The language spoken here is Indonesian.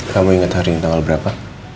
kamu ingat hari ini tanggal berapa